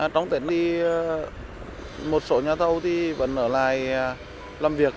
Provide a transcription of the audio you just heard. trong tiến đi một số nhà thầu vẫn ở lại làm việc